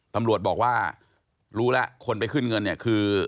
ตำรวจบอกว่ารู้แล้วคนไปขึ้นเงินเนี่ยคือ